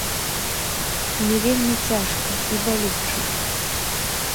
Мне вельмі цяжка і балюча.